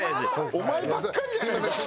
お前ばっかりじゃねえか。